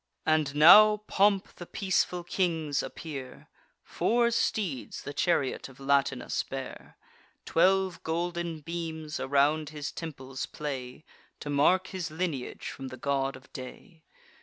And now in pomp the peaceful kings appear: Four steeds the chariot of Latinus bear; Twelve golden beams around his temples play, To mark his lineage from the God of Day.